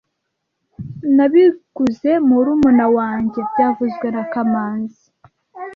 Nabiguze murumuna wanjye byavuzwe na kamanzi